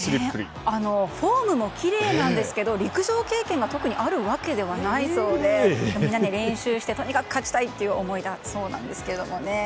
フォームもきれいなんですけど陸上経験が特にあるわけではないそうでみんなで練習してとにかく勝ちたいという思いだそうですけどね。